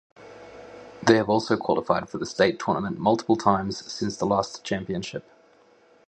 They have also qualified for the state tournament multiple times since that last championship.